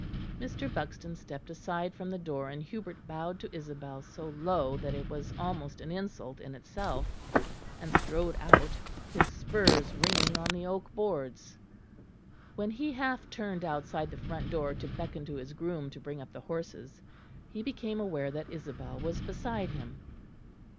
Mr. Buxton stepped aside from the door, and Hubert bowed to Isabel so low that it was almost an insult in itself, and strode out, his spurs ringing on the oak boards. When he half turned outside the front door to beckon to his groom to bring up the horses, he became aware that Isabel was beside him.